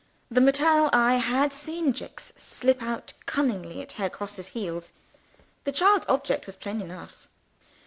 The maternal eye had seen Jicks slip out cunningly at Herr Grosse's heels. The child's object was plain enough.